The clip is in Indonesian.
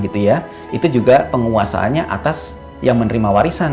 itu juga penguasaannya atas yang menerima warisan